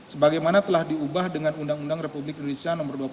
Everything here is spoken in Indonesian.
sebagaimana telah diubah dengan undang undang republik indonesia nomor dua puluh